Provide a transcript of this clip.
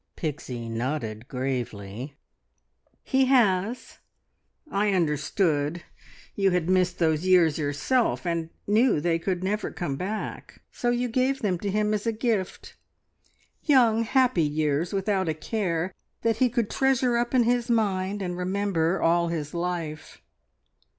Pixie nodded gravely. "He has. I understood. You had missed those years yourself, and knew they could never come back, so you gave them to him as a gift young, happy years without a care, that he could treasure up in his mind and remember all his life.